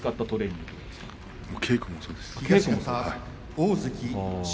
稽古もそうです。